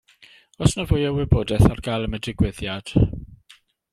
Oes 'na fwy o wybodaeth ar gael am y digwyddiad?